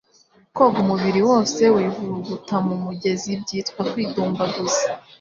Koga umubiri wose wivuruguta mu mugezi byitwa kwidumbaguza